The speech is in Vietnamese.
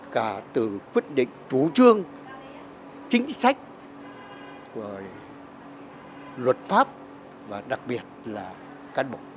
cả từ quyết định chủ trương chính sách luật pháp và đặc biệt là cán bộ